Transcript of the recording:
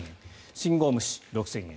信号無視６０００円